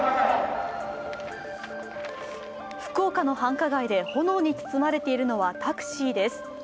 福岡の繁華街で炎に包まれているのはタクシーです。